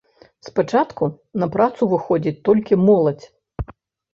Спачатку на працу выходзіць толькі моладзь.